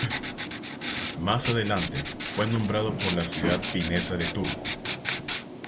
Más adelante, fue nombrado por la ciudad finesa de Turku.